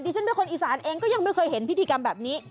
ฉันเป็นคนอีสานเองก็ยังไม่เคยเห็นพิธีกรรมแบบนี้